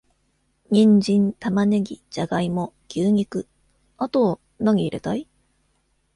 ニンジン、玉ネギ、ジャガイモ、牛肉……あと、なに入れたい？